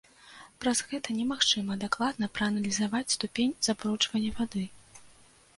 Праз гэта немагчыма дакладна прааналізаваць ступень забруджвання вады.